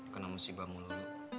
kena musibah mulu lo